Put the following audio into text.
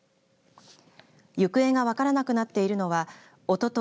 行方が分からなくなっているのはおととい